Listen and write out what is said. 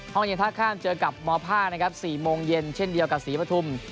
ห้องเย็นท่าข้ามเจอกับมพ่านะครับ๔โมงเย็นเช่นเดียวกับศรีปฐุม